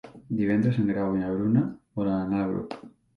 Divendres en Grau i na Bruna volen anar al Bruc.